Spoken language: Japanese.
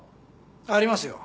ありますよ。